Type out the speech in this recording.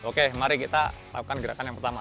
oke mari kita lakukan gerakan yang pertama